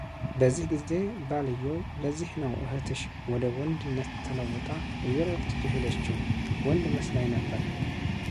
በዚህ ጊዜ ባልየው ለዚህ ነው እህትሽ ወደ ወንድነት ተለውጣ እየሮጠች የሄደችው ወንድ መስላኝ ነበር፡፡